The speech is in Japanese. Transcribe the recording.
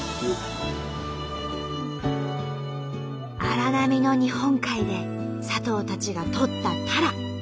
荒波の日本海で佐藤たちがとったタラ。